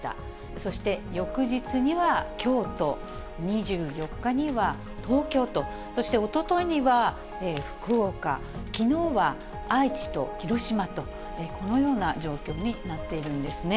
そして、翌日には京都、２４日には東京と、そして、おとといには福岡、きのうは愛知と広島と、このような状況になっているんですね。